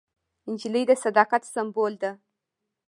نجلۍ د صداقت سمبول ده.